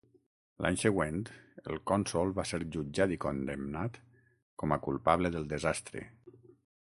L'any següent el cònsol va ser jutjat i condemnat com a culpable del desastre.